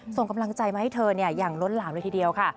ส่งกำลังใจมาให้เธออย่างล้นหลามเลยทีเดียวค่ะ